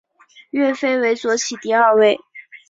岳飞为左起第二位。